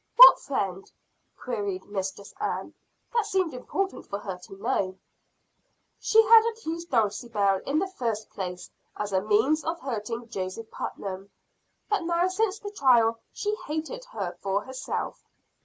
"What friend?" queried Mistress Ann. That seemed important for her to know. She had accused Dulcibel in the first place as a means of hurting Joseph Putnam. But now since the trial, she hated her for herself.